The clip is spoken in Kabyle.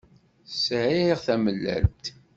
Sεiɣ tamellalt